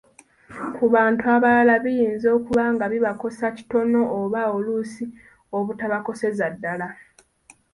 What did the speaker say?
Ku bantu abalala biyinza okuba nga bibakosa kitono oba oluusi obutabakoseza ddala